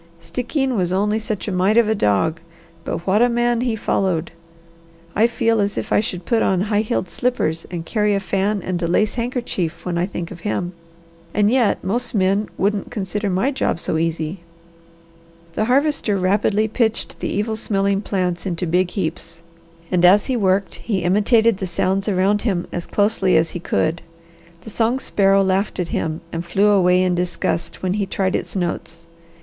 Stickeen was only such a mite of a dog. But what a man he followed! I feel as if I should put on high heeled slippers and carry a fan and a lace handkerchief when I think of him. And yet, most men wouldn't consider my job so easy!" The Harvester rapidly pitched the evil smelling plants into big heaps and as he worked he imitated the sounds around him as closely as he could. The song sparrow laughed at him and flew away in disgust when he tried its notes.